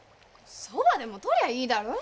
そばでもとりゃいいだろ。